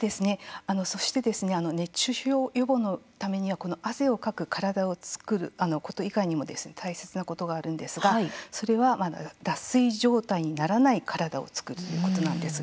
そして熱中症予防のために汗をかく体を作ること以外にも大切なことがあるんですがそれは脱水状態にならない体を作るということなんです。